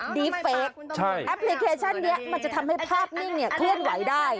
ดีฟเฟคแอปพลิเคชันนี้มันจะทำให้ภาพนิ่งเนี่ยเคลื่อนไหวได้